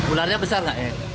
ularnya besar gak ya